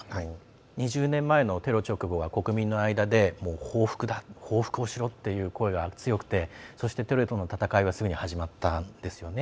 ２０年前のテロ直後は国民の間で報復だ、報復をしろという声が強くて、そしてテロとの戦いがすぐに始まったんですよね。